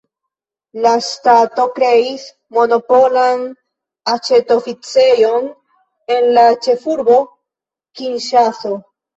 La ŝtato kreis monopolan aĉetoficejon en la ĉefurbo Kinŝaso.